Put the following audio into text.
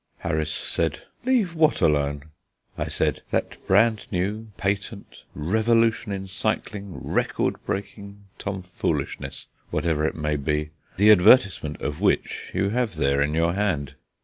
Harris said: "Leave what alone?" I said: "That brand new, patent, revolution in cycling, record breaking, Tomfoolishness, whatever it may be, the advertisement of which you have there in your hand."